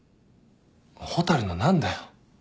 蛍の何だよ？